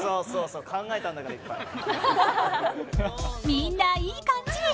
みんな、いい感じ。